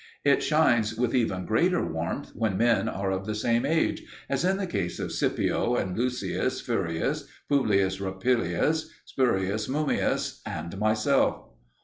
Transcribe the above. It shines with even greater warmth when men are of the same age, as in the case of Scipio and Lucius Furius, Publius Rupilius, Spurius Mummius, and myself.